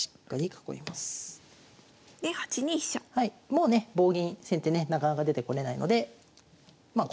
もうね棒銀先手ねなかなか出てこれないのでまあ